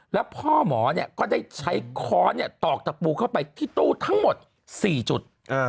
แล้วพ่อหมอก็ได้ใช้ค้อนตอกตะปูเข้าไปที่ตู้ทั้งหมด๔จุด